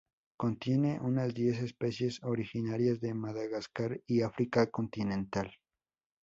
Contiene unas diez especies originarias de Madagascar y África continental.